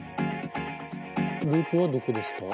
ループはどこですか？